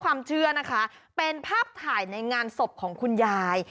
ความเชื่อนะคะเป็นภาพถ่ายในงานศพของคุณยาย